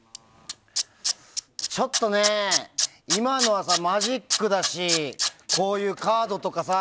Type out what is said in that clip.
ちょっとね、今のはマジックだしこういうカードとかさ